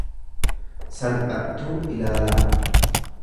salphattuu ilaalaa.